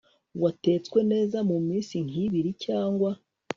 watetswe neza mu minsi nkibiri cyangwa